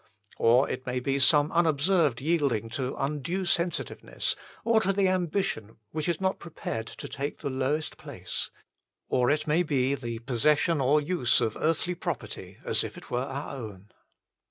Or it may be some unobserved yielding to undue sensitiveness or to the ambition which is not prepared to take the lowest place. Or it may be the possession or use of earthly property as if it were our own.